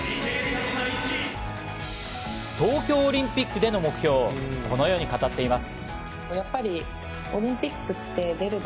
東京オリンピックでの目標をこのように語っています。